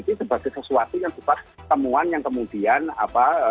itu sebagai sesuatu yang sebuah temuan yang kemudian apa